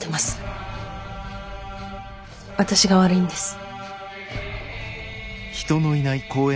私が悪いんです。